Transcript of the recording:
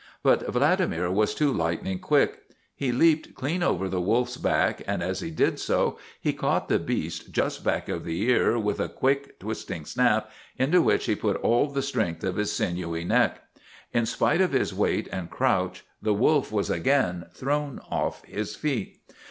But Vladimir was too lightning quick. He leaped clean over the wolf's back, and as he did so he caught the beast just back of the ear, with a quick, twisting snap, into which he put all the strength of his sinewy neck. In spite of his weight and crouch the wolf was again thrown off his feet.